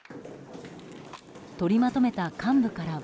取りまとめた幹部からは。